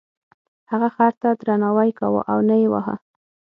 هغه خر ته درناوی کاوه او نه یې واهه.